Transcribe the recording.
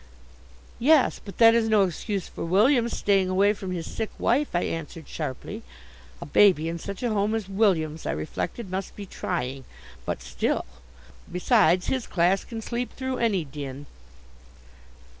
"Yes, but that is no excuse for William's staying away from his sick wife," I answered, sharply. A baby in such a home as William's, I reflected, must be trying, but still . Besides his class can sleep through any din.